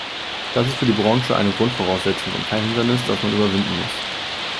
Das ist für die Branche eine Grundvoraussetzung und kein Hindernis, das man überwinden muss.